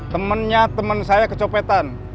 temennya temen saya kecopetan